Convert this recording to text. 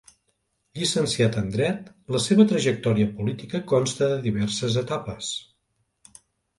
Llicenciat en dret, la seva trajectòria política consta de diverses etapes.